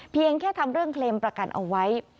เพียงแค่ทำเรื่องเคลมประกันเอาไว้